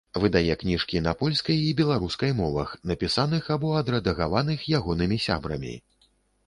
Выдае кніжкі на польскай і беларускай мовах, напісаных або адрэдагаваных ягонымі сябрамі.